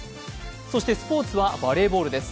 そしてスポーツは、バレーボールです。